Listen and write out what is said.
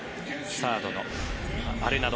サードのアレナド